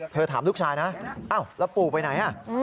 ถามลูกชายนะอ้าวแล้วปู่ไปไหน